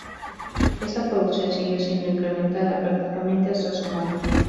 Esa producción siguió siendo incrementada prácticamente hasta su muerte.